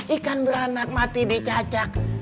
ikan beranak mati dicacak